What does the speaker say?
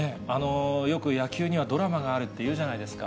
よく野球にはドラマがあるっていうじゃないですか。